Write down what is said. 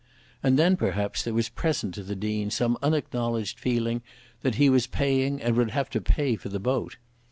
And then perhaps there was present to the Dean some unacknowledged feeling that he was paying and would have to pay for the boat.